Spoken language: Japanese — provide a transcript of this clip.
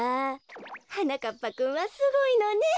はなかっぱくんはすごいのね。